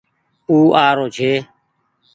او آ رو ڇي